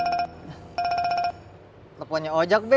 teleponnya ojak be